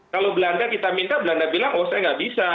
kalau belanda kita minta belanda bilang oh saya nggak bisa